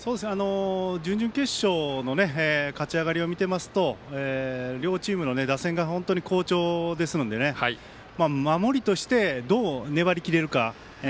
準々決勝の勝ち上がりを見ていますと両チームの打線が本当に好調ですので守りとして、どう粘りきれるか。